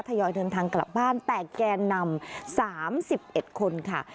ยอยเดินทางกลับบ้านแต่แกนนำ๓๑คนค่ะ